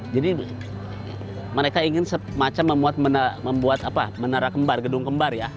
jadi mereka ingin semacam membuat menara kembar gedung kembar ya